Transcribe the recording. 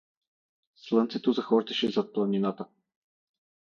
Слънцето захождаше зад планината.